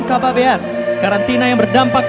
kpabr karantina yang berdampak